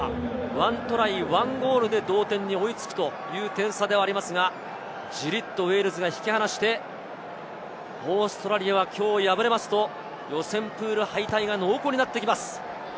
１トライ、１ゴールで同点に追い付くという点差ではありますが、ジリっとウェールズが引き離してオーストラリアはきょう敗れると、予選プール敗退が濃厚になってきます。